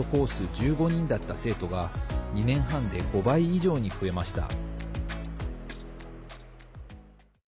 １５人だった生徒が２年半で５倍以上に増えました。